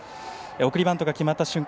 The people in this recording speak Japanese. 送りバントが決まった瞬間